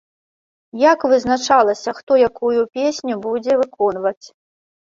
Як вызначалася, хто якую песню будзе выконваць?